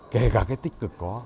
kể cả cái tích cực có